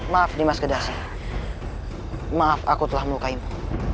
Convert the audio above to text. maaf nih mas kedasi maaf aku telah melukaimu